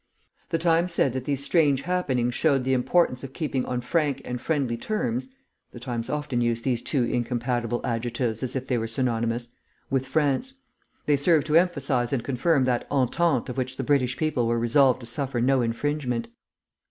The Times said that these strange happenings showed the importance of keeping on frank and friendly terms (the Times often used these two incompatible adjectives as if they were synonymous) with France. They served to emphasise and confirm that entente of which the British people were resolved to suffer no infringement.